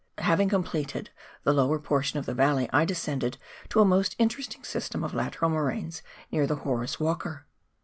Having completed the lower portion of th.e valley, I descended to a most interesting system of lateral moraines near the Horace Walker.